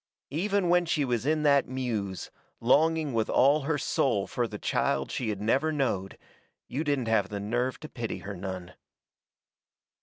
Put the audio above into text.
Even when she was in that muse, longing with all her soul fur that child she had never knowed, you didn't have the nerve to pity her none.